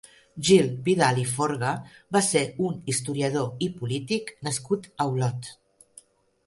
Gil Vidal i Forga va ser un historiador i polític nascut a Olot.